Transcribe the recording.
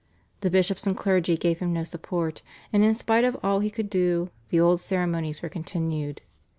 The bishops and clergy gave him no support, and in spite of all he could do "the old ceremonies" were continued.